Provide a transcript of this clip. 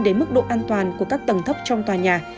đến mức độ an toàn của các tầng thấp trong tòa nhà